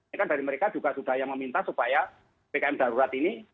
ini kan dari mereka juga sudah yang meminta supaya pkm darurat ini